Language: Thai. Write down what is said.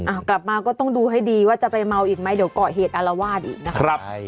เอากลับมาก็ต้องดูให้ดีว่าจะไปเมาอีกไหมเดี๋ยวก่อเหตุอารวาสอีกนะครับ